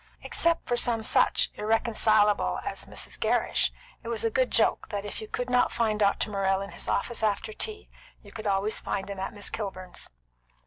Except for some such irreconcilable as Mrs. Gerrish, it was a good joke that if you could not find Dr. Morrell in his office after tea, you could always find him at Miss Kilburn's.